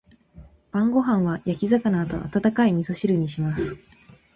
晩ご飯は焼き魚と温かい味噌汁にします。